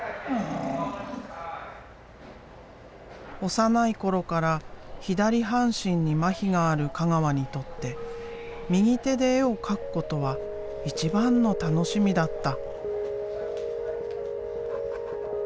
幼い頃から左半身に麻痺がある香川にとって右手で絵を描くことは一番の楽しみだった。